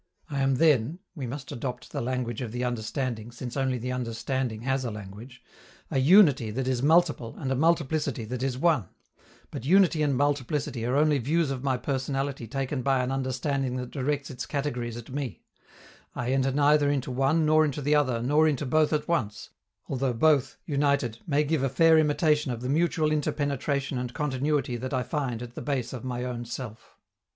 I am then (we must adopt the language of the understanding, since only the understanding has a language) a unity that is multiple and a multiplicity that is one; but unity and multiplicity are only views of my personality taken by an understanding that directs its categories at me; I enter neither into one nor into the other nor into both at once, although both, united, may give a fair imitation of the mutual interpenetration and continuity that I find at the base of my own self.